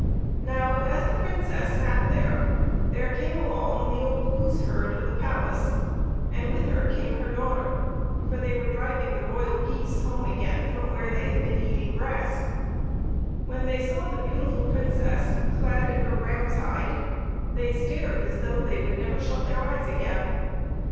Now as the Princess sat there, there came along the old goose herd of the palace, and with her came her daughter; for they were driving the royal geese home again from where they had been eating grass. When they saw the beautiful Princess, clad in her ram's hide, they stared as though they would never shut their eyes again.